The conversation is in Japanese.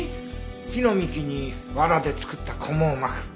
木の幹に藁で作ったこもを巻く。